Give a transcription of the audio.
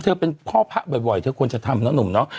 หรอเรายินไปเท่าบ่อยเธอควรจะทำเนอะหนุ่มน้อง